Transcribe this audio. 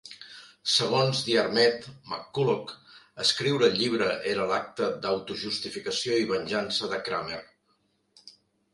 Segons Diarmaid MacCulloch, escriure el llibre era l'acte d'auto-justificació i venjança de Kramer.